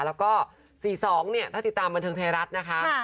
แล้วก็๔๒ถ้าติดตามบันทึงไทยรัฐนะคะ